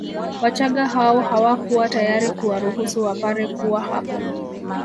Wachaga hao hawakuwa tayari kuwaruhusu Wapare kuwa hapo